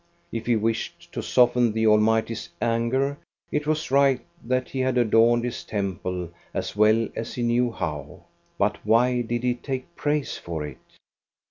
If he wished to soften the Almighty's anger, it was right that he had adorned His temple as well as he knew how. But why did he take praise for it